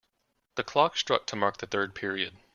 The clock struck to mark the third period.